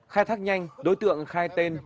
khai thác nhanh đối tượng khai tên trương hải đại